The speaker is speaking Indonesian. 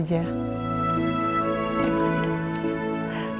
terima kasih dong